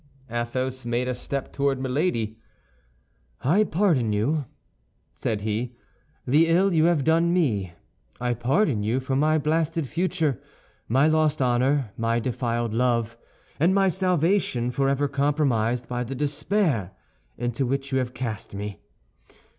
Athos made a step toward Milady. "I pardon you," said he, "the ill you have done me. I pardon you for my blasted future, my lost honor, my defiled love, and my salvation forever compromised by the despair into which you have cast me.